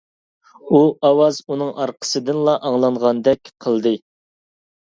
ئۇ ئاۋاز ئۇنىڭ ئارقىسىدىنلا ئاڭلانغاندەك قىلدى.